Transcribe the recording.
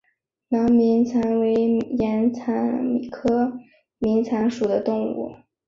囊明蚕为眼蚕科明蚕属的动物。